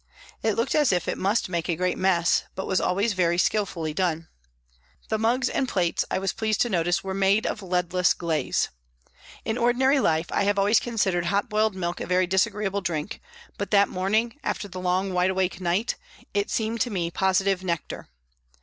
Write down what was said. It looked as if it must make a great mess, but was always very skilfully done. The mugs and plates, I was pleased to notice, were made of leadless glaze. In ordinary life I have always considered hot boiled milk a very THE HOSPITAL 95 disagreeable drink, but that morning, after the long wide awake night, it seemed to me positive nectar.